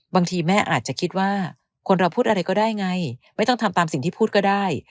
บางทีแม่อาจจะคิดว่าคนเราพูดอะไรก็ได้ไงไม่ต้องทำตามสิ่งที่พูดก็ได้